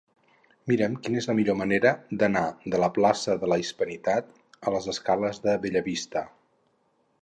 Mira'm quina és la millor manera d'anar de la plaça de la Hispanitat a les escales de Bellavista.